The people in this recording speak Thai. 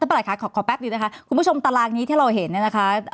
ท่านประหลักขอแป๊บนิดนะคะคุณผู้ชมตารางนี้ที่เราเห็น